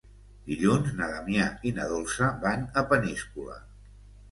Dilluns na Damià i na Dolça van a Peníscola.